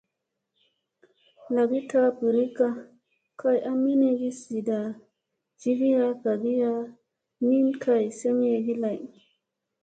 Lagi taa birikka kay a minigi zida jivira kagiya, min kay semeyegi lay.